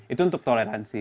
itu untuk toleransi